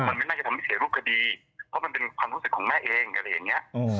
มันไม่น่าจะทำให้เสียรูปคดีเพราะมันเป็นความรู้สึกของแม่เองอะไรอย่างเงี้ย